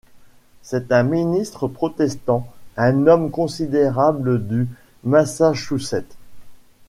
C’est un ministre protestant, un homme considérable du Massachusetts.